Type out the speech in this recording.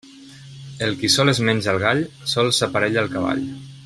El qui sol es menja el gall sol s'aparella el cavall.